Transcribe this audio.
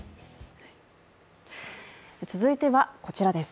続いては、こちらです。